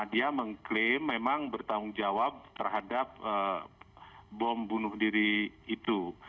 dia mengklaim memang bertanggung jawab terhadap bom bunuh diri itu